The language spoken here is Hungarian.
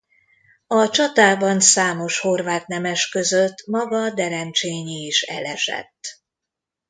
A csatában számos horvát nemes között maga Derencsényi is elesett.